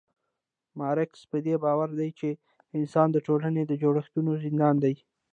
مارکس پدې باور دی چي انسان د ټولني د جوړښتونو زنداني دی